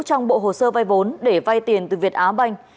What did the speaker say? trong bộ hồ sơ vai vốn để vai tiền từ việt á bank